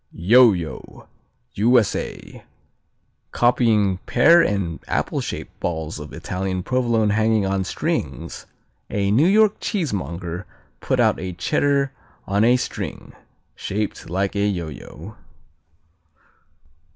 Yo yo U.S.A. Copying pear and apple shaped balls of Italian Provolone hanging on strings, a New York cheesemonger put out a Cheddar on a string, shaped like a yo yo.